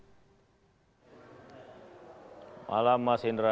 selamat malam mas indra